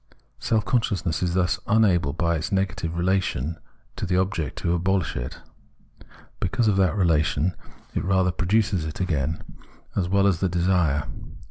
Self consciousness is thus unable by its negative relation to the object to abohsh it ; because of that relation it rather produces it again, as well as the desire.